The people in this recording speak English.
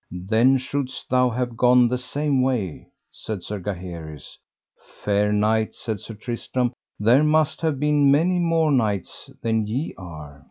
Then shouldst thou have gone the same way, said Sir Gaheris. Fair knight, said Sir Tristram, there must have been many more knights than ye are.